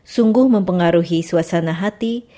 sungguh mempengaruhi suasana hati